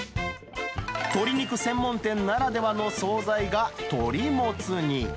鶏肉専門店ならではの総菜が鳥もつ煮。